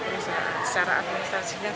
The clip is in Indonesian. perusahaan secara administrasinya gimana